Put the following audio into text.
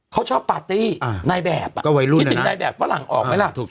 เขาชอบปาร์ตี้นายแบบคิดถึงนายแบบฝรั่งออกไหมล่ะ